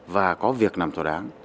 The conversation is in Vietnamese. và có việc làm thỏa đáng